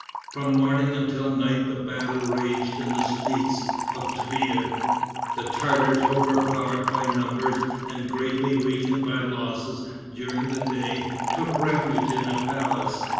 From morning until night the battle raged in the streets of Tver. The Tartars, overpowered by numbers, and greatly weakened by losses during the day, took refuge in a palace.